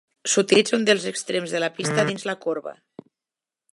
S'utilitza un dels extrems de la pista dins la corba.